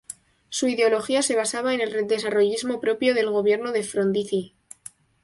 Su ideología se basaba en el desarrollismo propio del gobierno de Frondizi.